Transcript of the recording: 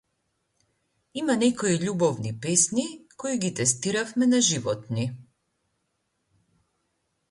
Има некои љубовни песни кои ги тестиравме на животни.